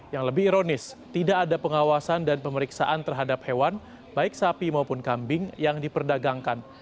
yang lebih ironis tidak ada pengawasan dan pemeriksaan terhadap hewan baik sapi maupun kambing yang diperdagangkan